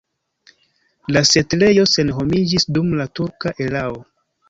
La setlejo senhomiĝis dum la turka erao.